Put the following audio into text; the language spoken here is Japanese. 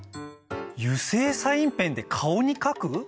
油性サインペンで顔に書く？